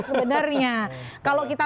sebenarnya kalau kita